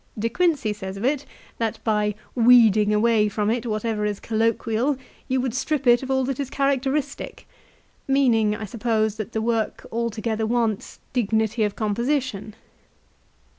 De Quiucey says of it, that by " weeding away from it whatever is colloquial you would strip it of all that is characteristic," meaning, I suppose, that the work altogether wants dignity of composition.